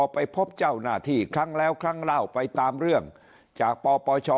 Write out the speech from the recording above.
ไปพบเจ้าหน้าที่ครั้งแล้วครั้งเล่าไปตามเรื่องจากปปช